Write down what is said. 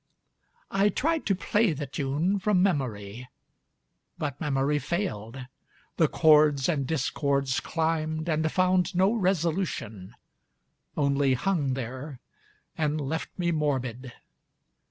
I tried to play the tune, from memoryâ But memory failed: the chords and discords climbed And found no resolution, only hung there, And left me morbid.